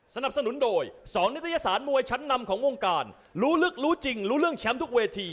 สนับสนุนโดย๒นิตยสารมวยชั้นนำของวงการรู้ลึกรู้จริงรู้เรื่องแชมป์ทุกเวที